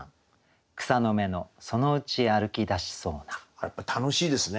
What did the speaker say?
これやっぱり楽しいですね。